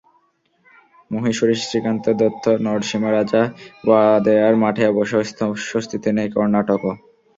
মহীশুরের শ্রীকান্ত দত্ত নরসিমা রাজা ওয়াদেয়ার মাঠে অবশ্য স্বস্তিতে নেই কর্ণাটকও।